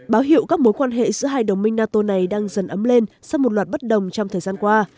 báo hiệu các mối quan hệ giữa hai đồng minh nato này đang dần ấm lên sau một loạt bất đồng trong thời gian qua